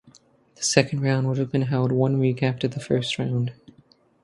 The second round would have been held one week after the first round.